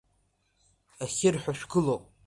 Ахьырҳәо шәгылоуп.